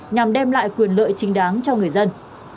nhằm đem lại quyền lợi chính đáng cho người dân